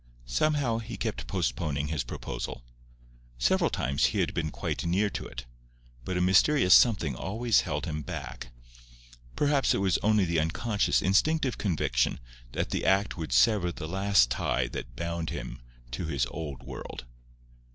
Somehow, he kept postponing his proposal. Several times he had been quite near to it; but a mysterious something always held him back. Perhaps it was only the unconscious, instinctive conviction that the act would sever the last tie that bound him to his old world.